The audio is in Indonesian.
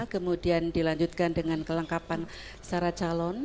kemudian dilanjutkan dengan kelengkapan syarat calon